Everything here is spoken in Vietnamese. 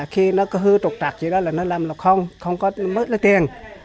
khi nó có hư trục trặc gì đó là nó làm là không không có mất lấy tiền